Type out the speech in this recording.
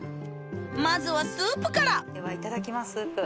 まずはスープからではいただきますスープ。